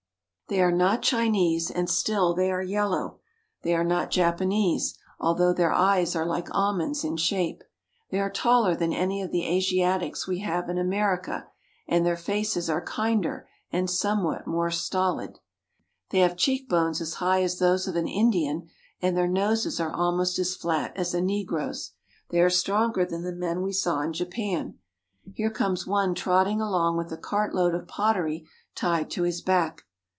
They are not Chinese, and still they are yellow. They are not Japanese, although their eyes are like almonds in shape. They are taller than any of the Asiatics we have in America, and their faces are kinder and somewhat more stolid. They have cheek bones as high as those of an Indian, and their noses are almost as flat as a negro's. They are stronger than the men we saw in Japan. Here comes one trotting along with a cartload of pottery tied to his back.